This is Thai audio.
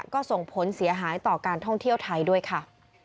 ก็ส่งผลเสียหายต่อการท่องเที่ยวไทยด้วยค่ะ